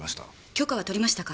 許可は取りましたか？